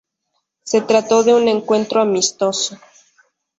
Se trató de un encuentro amistoso.